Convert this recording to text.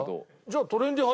じゃあトレンディ